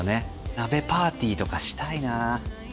鍋パーティーとかしたいな。